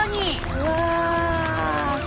うわ！